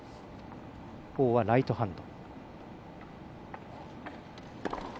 王はライトハンド。